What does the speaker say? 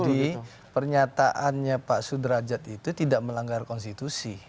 mas budi pernyataannya pak sudrajat itu tidak melanggar konstitusi